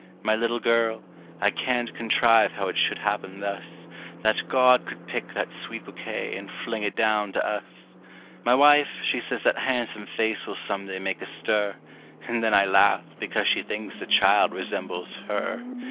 My little girl I can't contrive how it should happen thus That God could pick that sweet bouquet, and fling it down to us! My wife, she says that han'some face will some day make a stir; And then I laugh, because she thinks the child resembles her.